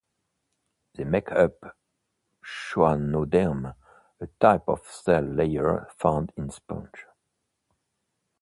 They make up Choanoderm, a type of cell layer found in sponges.